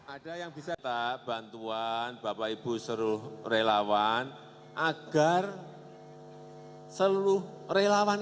ada yang bisa tak bantuan bapak ibu seluruh relawan agar seluruh relawan